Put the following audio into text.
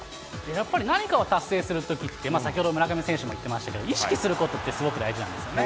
やっぱり何かを達成するときって、先ほど村上選手も言ってましたけど、意識することってすごく大事なんですよね。